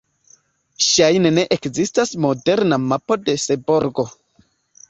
Ŝajne ne ekzistas moderna mapo de Seborgo.